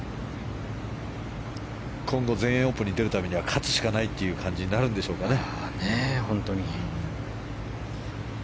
今度全英オープンに出るためには勝つしかないという感じになるんでしょうかね。